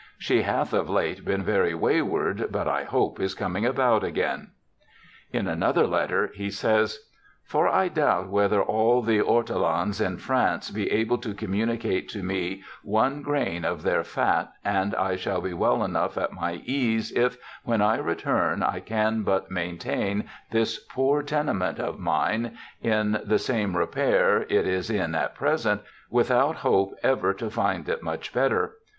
JOHN LOCKE 73 She hath of late been very wayward, but I hope is coming about again.' In another letter he says :* For I doubt whether all the ortolans in France be able to communicate to me one grain of their fat, and I shall be well enough at my ease if, when I return, I can but maintain this poor tenement of mine in the same repair it is at present, without hope ever to find it much better.